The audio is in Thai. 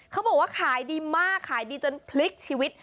เขาบอกว่าขายดีมากขายดีจนพลิกชีวิต